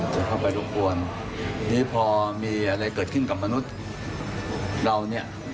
จะเข้าไปรบกวนนี้พอมีอะไรเกิดขึ้นกับมนุษย์เราเนี่ย